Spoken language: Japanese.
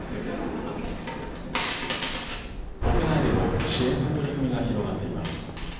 国内でも支援の取り組みが広がっています。